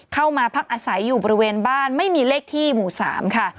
เข้ามาพักอาศัยอยู่บริเวณบ้านไม่มีเลขที่หมู่๓ค่ะ